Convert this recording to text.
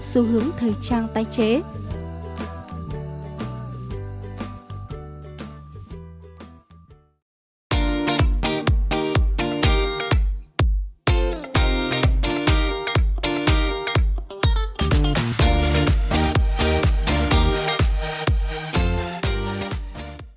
xin chào và hẹn gặp lại